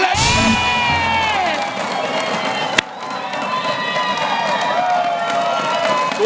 เล่นครับ